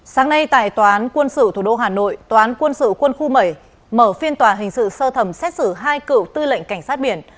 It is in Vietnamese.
sáng nay tại tòa án quân sự thủ đô hà nội tòa án quân sự quân khu bảy mở phiên tòa hình sự sơ thẩm xét xử hai cựu tư lệnh cảnh sát biển